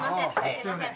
すいません。